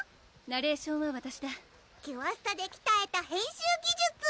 ナレーションはわたしだキュアスタできたえた編集技術！